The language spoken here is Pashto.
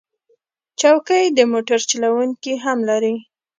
چوکۍ د موټر چلونکي هم لري.